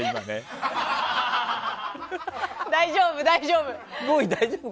大丈夫、大丈夫。